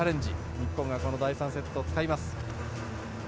日本がその第３セットを使います。